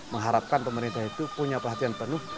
mengharapkan pemerintah itu punya perhatian penuh